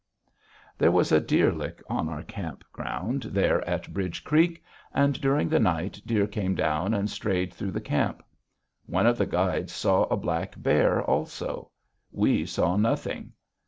There was a deer lick on our camp ground there at Bridge Creek, and during the night deer came down and strayed through the camp. One of the guides saw a black bear also. We saw nothing.